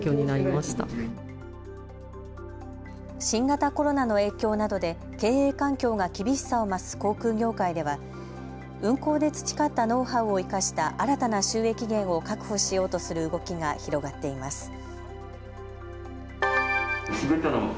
新型コロナの影響などで経営環境が厳しさを増す航空業界では運航で培ったノウハウを生かした新たな収益源を確保しようとする動きが広がっています。